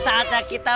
siapa pak rete